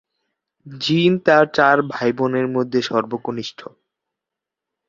জিন তার চার ভাইবোনের মধ্যে সর্বকনিষ্ঠ।